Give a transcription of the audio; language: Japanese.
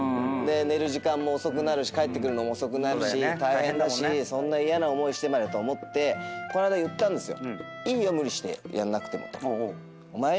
寝る時間も遅くなるし帰ってくるのも遅くなるし大変だしそんな嫌な思いしてまでと思ってこの間言ったんですよ。